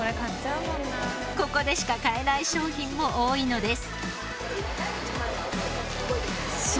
ここでしか買えない商品も多いのです。